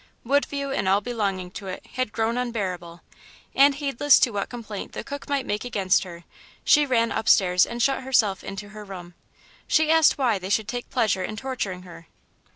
Woodview and all belonging to it had grown unbearable, and heedless to what complaint the cook might make against her she ran upstairs and shut herself into her room. She asked why they should take pleasure in torturing her.